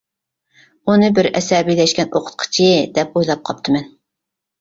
ئۇنى بىر ئەسەبىيلەشكەن ئوقۇتقۇچى دەپ ئويلاپ قاپتىمەن.